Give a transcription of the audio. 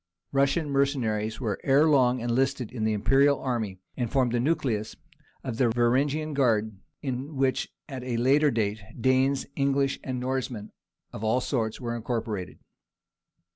Russian mercenaries were ere long enlisted in the imperial army, and formed the nucleus of the "Varangian guard," in which at a later day, Danes, English, and Norsemen of all sorts were incorporated.